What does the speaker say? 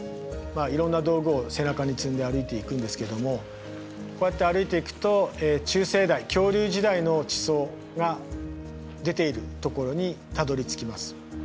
いろんな道具を背中に積んで歩いていくんですけどもこうやって歩いていくと中生代恐竜時代の地層が出ているところにたどりつきます。